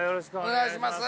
お願いします